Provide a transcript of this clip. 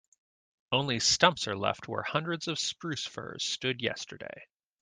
Only stumps are left where hundreds of spruce firs stood yesterday.